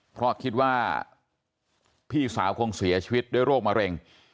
เพราะคิดว่าพี่สาวคงเสียชีวิตด้วยโรคมะเร็ง